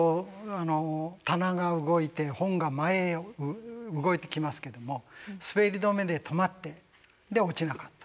棚が動いて本が前へ動いてきますけどもすべり止めで止まってで落ちなかった。